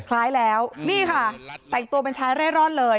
คล้ายแล้วนี่ค่ะแต่งตัวเป็นชายเร่ร่อนเลย